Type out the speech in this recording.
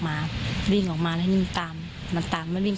ไหนนี่ไหมไนนี่มันมันไปดิ้นอันนี้